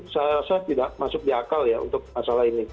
saya rasa tidak masuk di akal ya untuk masalah ini